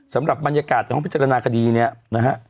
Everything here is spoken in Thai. สำหรับบรรยากาศในห้องพิจารณาคดีเนี่ยนะฮะ